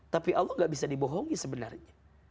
tapi allah gak bisa dibohongi sebenarnya